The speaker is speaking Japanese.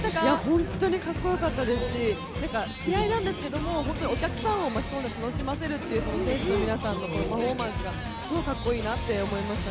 本当にかっこよかったですし、試合なんですけれども本当にお客さんを巻き込んで楽しませるっていう選手の皆さんのパフォーマンスすごいかっこいいなって思いました。